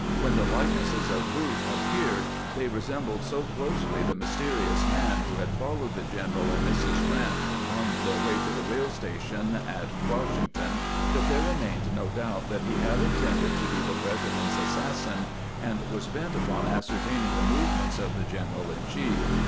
When the likenesses of Booth appeared, they resembled so closely the mysterious man who had followed the general and Mrs. Grrant on their way to the railroad station in Washington, that there remained no doubt that he had intended to be the President's assassin, and was bent upon ascertaining the movements of the gen eral in chief